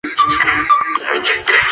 是莘莘学子成才的理想之地。